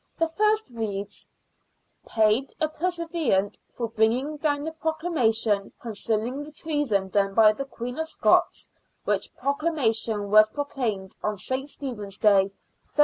The first reads :—" Paid a pursuivant for bringing down the procla mation concerning the treason done by the Queen of Scots, which proclamation was proclaimed on St. Stephen's Day, 13s.